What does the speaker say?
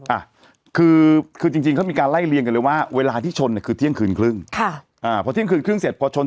อ่าคือคือจริงจริงเขามีการไล่เรียงกันเลยว่าเวลาที่ชนเนี่ยคือเที่ยงคืนครึ่ง